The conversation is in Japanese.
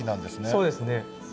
そうですね。